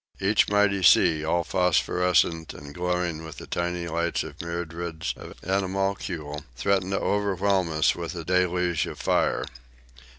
Each mighty sea, all phosphorescent and glowing with the tiny lights of myriads of animalculæ, threatened to overwhelm us with a deluge of fire.